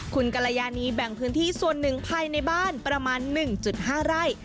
คุณกรยานีแบ่งพื้นที่ส่วนหนึ่งภายในบ้านประมาณ๑๕ไร่